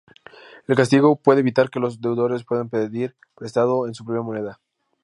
El castigo puede evitar que los deudores puedan pedir prestado en su propia moneda.